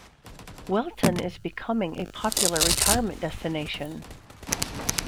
Wellton is becoming a popular retirement destination.